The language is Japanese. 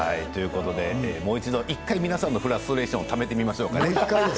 もう一度、１回皆さんのフラストレーションをためてみましょうかね。